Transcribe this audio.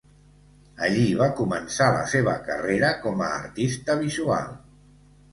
Allí va començar la seva carrera com a artista visual.